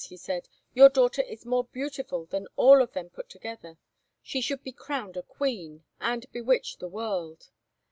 he said, "your daughter is more beautiful than all of them put together. She should be crowned a queen, and bewitch the world."